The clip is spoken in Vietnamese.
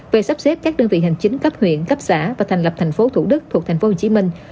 về sắp xếp các đơn vị hành chính cấp huyện cấp xã và thành lập thành phố thủ đức thuộc thành phố hồ chí minh